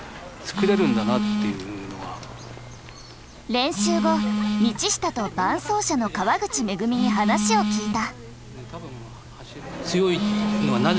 練習後道下と伴走者の河口恵に話を聞いた。